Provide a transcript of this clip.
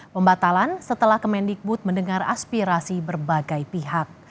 pembatalan setelah kemendikbud mendengar aspirasi berbagai pihak